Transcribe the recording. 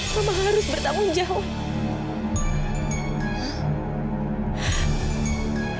mama harus bertanggung jawab